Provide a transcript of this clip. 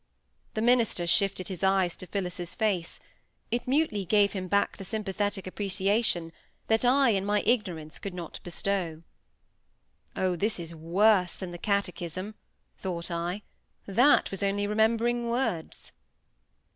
The minister shifted his eyes to Phillis's face; it mutely gave him back the sympathetic appreciation that I, in my ignorance, could not bestow. "Oh! this is worse than the catechism," thought I; "that was only remembering words."